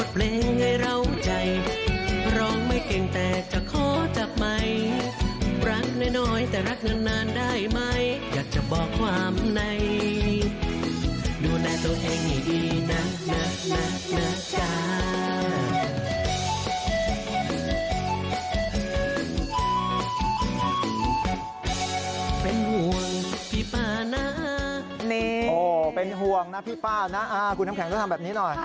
เป็นห่วงนะพี่ป้านะคุณน้ำแข็งก็ทำแบบนี้หน่อย